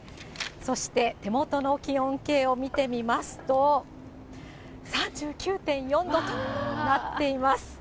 そして手元の気温計を見てみますと、３９．４度となっています。